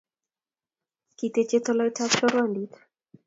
Kiteche toloitab choruandit